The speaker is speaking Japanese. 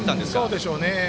そうでしょうね。